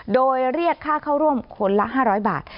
โดยเรียกค่าเข้าร่วมคนละ๕๐๐บาท